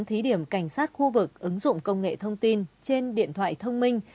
thí điểm cảnh sát khu vực ứng dụng công nghệ thông tin trên điện thoại thông minh